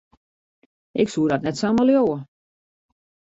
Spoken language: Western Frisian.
Ik soe dat net samar leauwe.